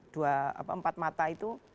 dua empat mata itu